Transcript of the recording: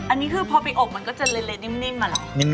อันนี้คือพอไปอบมันก็จะเละนิ่มอะแหละ